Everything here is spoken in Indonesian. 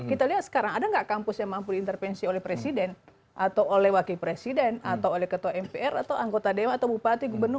kita lihat sekarang ada nggak kampus yang mampu diintervensi oleh presiden atau oleh wakil presiden atau oleh ketua mpr atau anggota dewan atau bupati gubernur